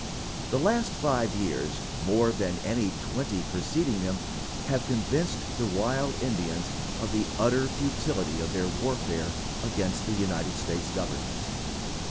The last five years, more than any twenty preceding them, have convinced the wild Indians of the utter futility of their warfare against the United States Government.